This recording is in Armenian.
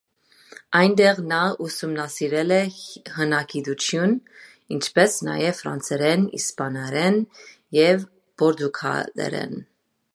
Այնտեղ նա ուսումնասիրել է հնագիտություն, ինչպես նաև՝ ֆրանսերեն, իսպաներեն, և պորտուգալերեն։